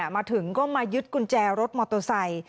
มาถึงก็มายึดกุญแจรถมอโตซัย